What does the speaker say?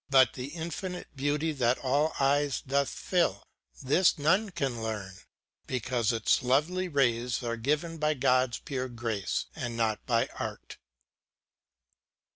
But the infinite beauty that all eyes doth fill ^ This none can learn ! because its lovely rays Are given by God's pure grace^ and not by art.